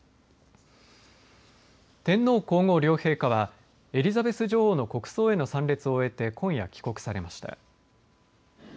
天皇皇后両陛下はエリザベス女王の国葬への参列を終えて今夜、帰国されました。